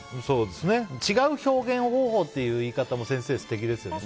違う表現方法という言い方も先生は素敵ですよね。